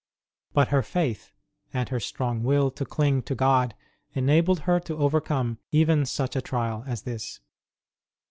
But her faith and her strong will to cling to God enabled her to overcome even such a trial as this.